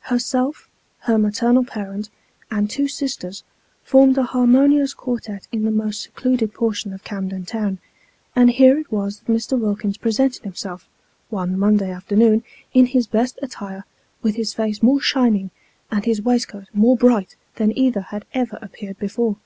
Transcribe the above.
Herself, her maternal parent, and two sisters, formed an harmonious quartette in the most secluded portion of Camden Town ; and here it was that Mr. Wilkins presented himself, one Monday afternoon, in his best attire, with his face more shining and his waistcoat more bright than either had ever appeared before.